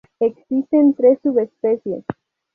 Existen tres subespecies.